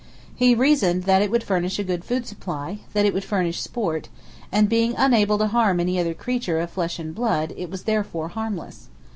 He reasoned that it would furnish a good food supply, that it would furnish sport, and being unable to harm any other creature of flesh and blood it was therefore harmless.